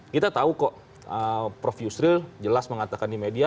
kita tahu kok prof yusril jelas mengatakan di media